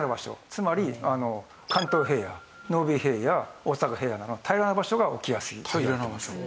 つまり関東平野濃尾平野大阪平野などの平らな場所が起きやすいといわれています。